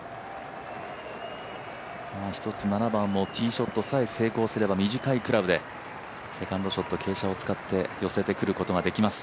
７番もティーショットさえ成功すれば短いクラブでセカンドショット傾斜を使って寄せてくることができます。